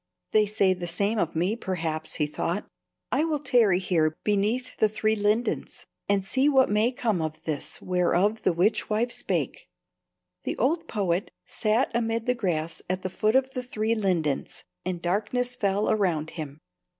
"They say the same of me, perhaps," he thought. "I will tarry here beneath the three lindens and see what may come of this whereof the witch wife spake." The old poet sat amid the grass at the foot of the three lindens, and darkness fell around him.